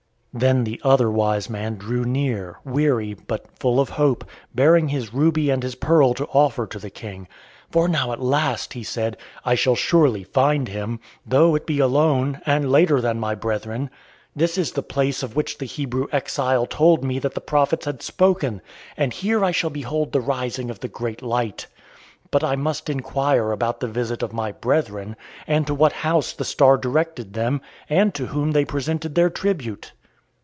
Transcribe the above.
Then the other wise man drew near, weary, but full of hope, bearing his ruby and his pearl to offer to the King. "For now at last," he said, "I shall surely find him, though it be alone, and later than my brethren. This is the place of which the Hebrew exile told me that the prophets had spoken, and here I shall behold the rising of the great light. But I must inquire about the visit of my brethren, and to what house the star directed them, and to whom they presented their tribute."